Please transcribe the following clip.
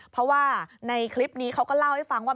เพราะว่าในคลิปนี้เขาก็เล่าให้ฟังว่า